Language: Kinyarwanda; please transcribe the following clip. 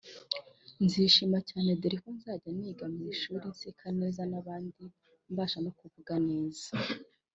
nzishima cyane dore ko nzajya niga mu ishuri nseka neza nk’abandi mbasha no kuvuga neza”